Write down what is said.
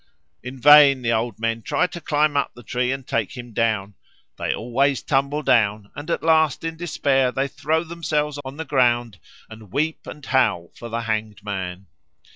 In vain the old men try to climb up the tree and take him down; they always tumble down, and at last in despair they throw themselves on the ground and weep and howl for the hanged man.